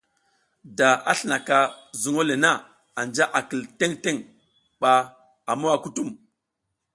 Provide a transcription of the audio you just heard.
Da a slinaka zuŋ le na, anja a kil teŋ teŋ, ba a mowa kutum.